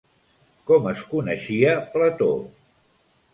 Com es coneixia Plató?